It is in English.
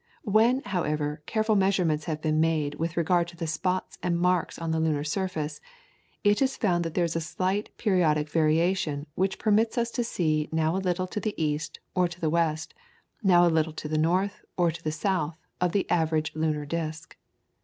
When, however, careful measurements have been made with regard to the spots and marks on the lunar surface, it is found that there is a slight periodic variation which permits us to see now a little to the east or to the west, now a little to the north or to the south of the average lunar disc.